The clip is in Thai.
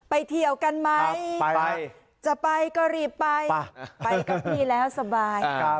ไปเที่ยวกันไหมไปจะไปก็รีบไปไปกับพี่แล้วสบาย